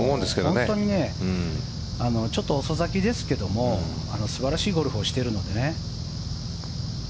本当に遅咲きですけども素晴らしいゴルフをしてるのでね。